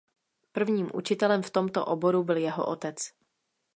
Prvním učitelem v tomto oboru byl jeho otec.